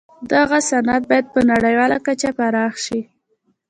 دغه صنعت باید په نړیواله کچه پراخ شي